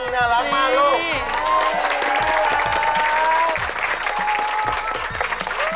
น่ารักมากลูก